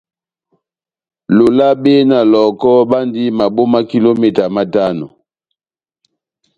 Lolabe na Lɔhɔkɔ bandi maboma kilometa matano.